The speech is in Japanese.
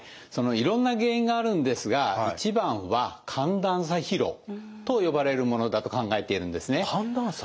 いろんな原因があるんですが一番は寒暖差疲労と呼ばれるものだと考えているんですね。